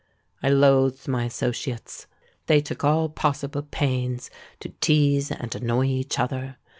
I loathed my associates. They took all possible pains to tease and annoy each other.